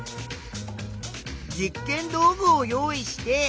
実験道具を用意して。